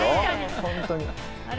本当に。